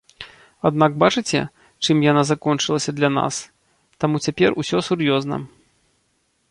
Аднак бачыце, чым яна закончылася для нас, таму цяпер усё сур'ёзна.